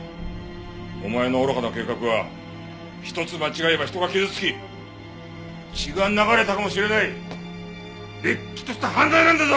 お前の愚かな計画は一つ間違えば人が傷つき血が流れたかもしれないれっきとした犯罪なんだぞ！